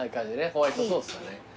ホワイトソースだね。